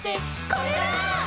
「これだー！」